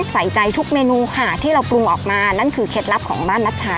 ใส่ใจทุกเมนูค่ะที่เราปรุงออกมานั่นคือเคล็ดลับของบ้านนัชชา